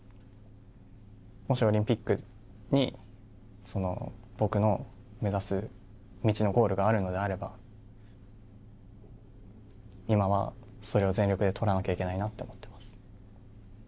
もしオリンピックに僕の目指す道のゴールがあるのであれば今はそれを全力で取らなきゃいけないなと思っています。